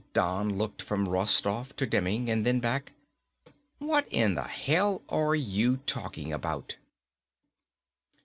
Don looked from Rostoff to Demming, and then back. "What in the hell are you talking about?"